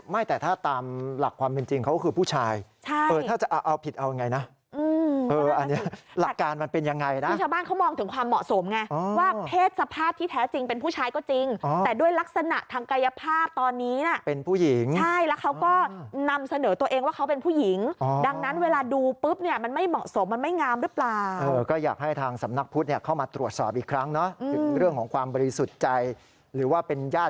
ไม่แต่ถ้าตามหลักความเป็นจริงเขาก็คือผู้ชาย